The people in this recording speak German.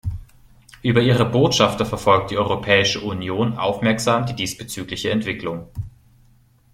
Über ihre Botschafter verfolgt die Europäische Union aufmerksam die diesbezügliche Entwicklung.